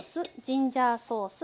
ジンジャーソース。